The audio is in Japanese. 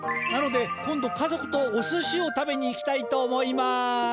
なので今度家族とおすしを食べに行きたいと思います！